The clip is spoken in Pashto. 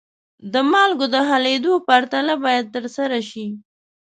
د مالګو د حلیدو پرتله باید ترسره شي.